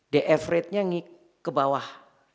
df rate nya kebawah